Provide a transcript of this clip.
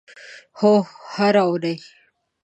هو، هره اونۍ